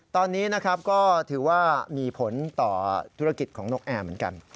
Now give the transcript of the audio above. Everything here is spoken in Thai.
ตอนนี้นะครับก็ถือว่ามีผลต่อธุรกิจของนกแอร์เหมือนกัน